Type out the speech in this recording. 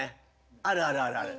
あるあるあるある。